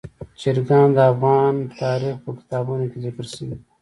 چرګان د افغان تاریخ په کتابونو کې ذکر شوي دي.